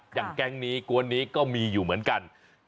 แก๊งนี้กวนนี้ก็มีอยู่เหมือนกัน